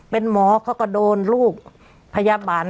เป็นหมอเขาก็โดนลูกพยาบาล